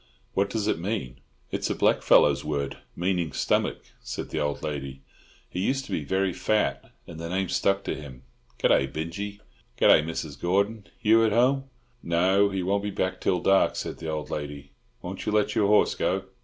"What does it mean?" "It's a blackfellow's word, meaning stomach," said the old lady. "He used to be very fat, and the name stuck to him. Good day, Binjie!" "Good day, Mrs. Gordon. Hugh at home?" "No, he won't be back till dark," said the old lady. "Won't you let your horse go?"